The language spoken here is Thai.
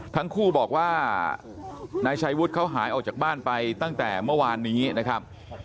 ทั้งคู่บอกว่านายชัยวุฒิเขาหายออกจากบ้านไปตั้งแต่เมื่อวานนี้นะครับ